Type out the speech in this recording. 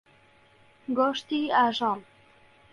گۆشتی ئاژەڵ.